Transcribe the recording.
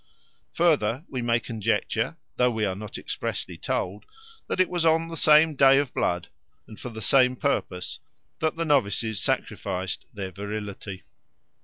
Further, we may conjecture, though we are not expressly told, that it was on the same Day of Blood and for the same purpose that the novices sacrificed their virility.